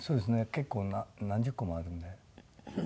結構何十個もあるんで。